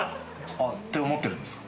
あっ思ってるんですか？